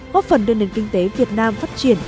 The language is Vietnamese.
góp phần đưa nền kinh tế việt nam phát triển